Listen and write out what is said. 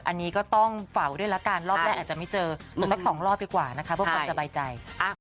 อันนี้ก็ต้องเฝ้าด้วยละกันรอบแรกอาจจะไม่เจอตรวจสัก๒รอบดีกว่านะคะเพื่อความสบายใจ